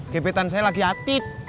gebetan saya lagi atik